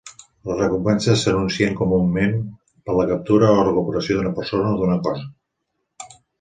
Les recompenses s'anuncien comunament per la captura o la recuperació d'una persona o d'una cosa.